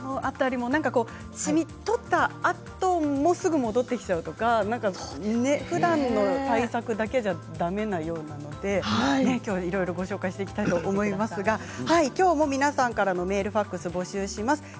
シミを取ったあともすぐ戻ってきてしまうとかふだんの対策だけじゃだめなようなのできょうはいろいろ紹介していきたいと思いますがきょうも皆さんからのメール、ファックス募集します。